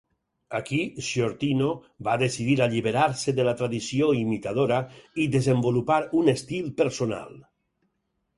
Aquí, Sciortino va decidir alliberar-se de la tradició imitadora i desenvolupar un estil personal.